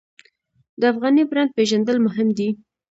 د افغاني برنډ پیژندل مهم دي